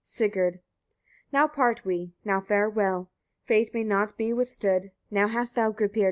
Sigurd. 53. Now part we, now farewell! Fate may not be withstood. Now hast thou, Gripir!